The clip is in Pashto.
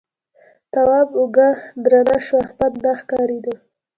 تواب اوږه درنه شوه احمد نه ښکارېده.